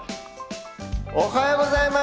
おはようございます。